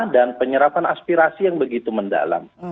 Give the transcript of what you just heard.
dan penyerapan aspirasi yang begitu mendalam